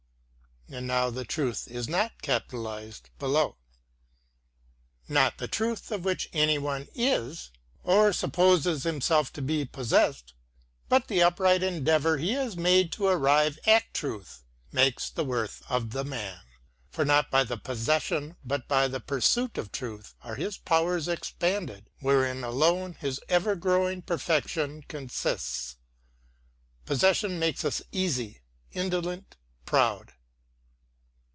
9018 GOTTHOLD EPHRAIM LESSING Not the truth of which any one is, or supposes himself to be, possessed, but the upright endeavor he has made to arrive at truth, makes the worth of the man. For not by the possession but by the pursuit of truth are his powers expanded, wherein alone his ever growing perfection consists. Possession makes us easy, indolent, proud.